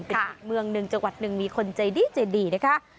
กระทั่งเมืองหนึ่งจังหวัดหนึ่งมีคนใจดีนะคะ